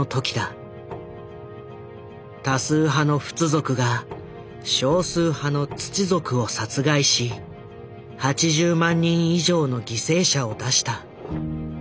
多数派のフツ族が少数派のツチ族を殺害し８０万人以上の犠牲者を出した。